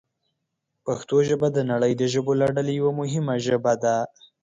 پښتو ژبه د نړۍ د ژبو له ډلې یوه مهمه ژبه ده.